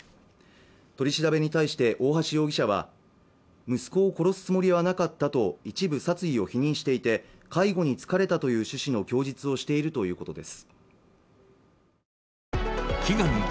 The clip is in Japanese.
取り調べに対して大橋容疑者は息子を殺すつもりはなかったと一部殺意を否認していて介護に疲れたという趣旨の供述をしているということです